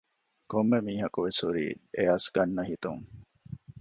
ކޮންމެ މީހަކު ވެސް ހުރީ އެއަސް ގަންނަހިތުން